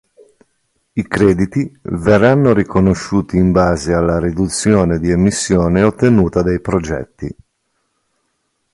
I crediti verranno riconosciuti in base alla riduzione di emissione ottenuta dai progetti.